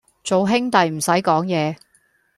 做兄弟唔使講嘢